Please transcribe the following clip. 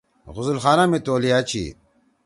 غسل خانہ می تولیا چھی۔